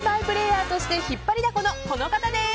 今日は名バイプレーヤーとして引っ張りだこのこの方です。